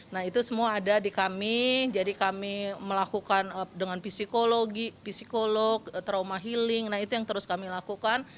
nah itu semua ada di kami jadi kami melakukan dengan psikologi psikolog trauma healing nah itu yang terus kami lakukan